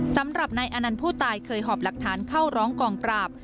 สำหรับนายอนันต์ผู้ตายเคยหอบหลักฐานเข้าร้องกองปราบ